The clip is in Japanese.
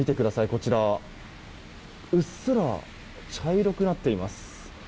こちら、うっすら茶色くなっています。